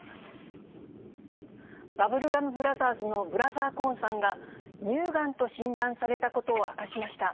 バブルガム・ブラザーズのＢｒｏ．ＫＯＲＮさんが、乳がんと診断されたことを明かしました。